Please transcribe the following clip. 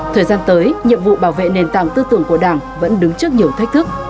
thời gian tới nhiệm vụ bảo vệ nền tảng tư tưởng của đảng vẫn đứng trước nhiều thách thức